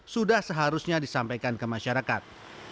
sudah seharusnya disampaikan ke masyarakat